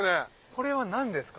これは何ですか？